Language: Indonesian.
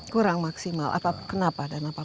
kurang maksimal kenapa dan apa yang besar